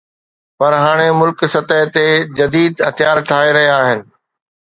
پر هاڻي ملڪ سطح تي جديد هٿيار ٺاهي رهيا آهن